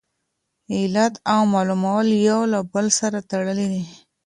علت او معلول یو له بل سره تړلي دي.